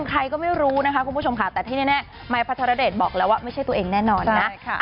ใครก็ไม่รู้นะคะคุณผู้ชมค่ะแต่ที่แน่ไม้พัทรเดชบอกแล้วว่าไม่ใช่ตัวเองแน่นอนนะ